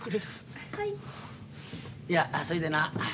いやそいでな